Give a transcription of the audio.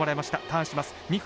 ターンします